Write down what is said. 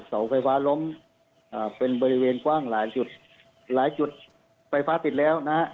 เสาไฟฟ้าล้มอ่าเป็นบริเวณกว้างหลายจุดหลายจุดไฟฟ้าติดแล้วนะฮะ